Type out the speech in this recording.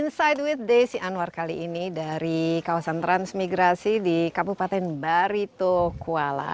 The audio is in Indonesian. insight with desi anwar kali ini dari kawasan transmigrasi di kabupaten baritokuala